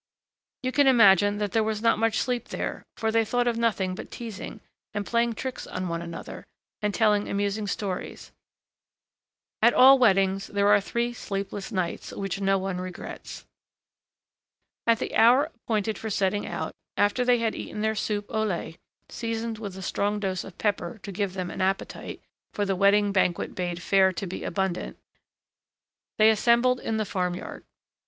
You can imagine that there was not much sleep there, for they thought of nothing but teasing, and playing tricks on one another and telling amusing stories. At all weddings, there are three sleepless nights, which no one regrets. At the hour appointed for setting out, after they had eaten their soup au lait seasoned with a strong dose of pepper to give them an appetite, for the wedding banquet bade fair to be abundant, they assembled in the farm yard.